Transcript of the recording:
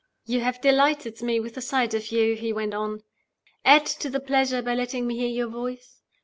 "You have delighted me with the sight of you," he went on. "Add to the pleasure by letting me hear your voice.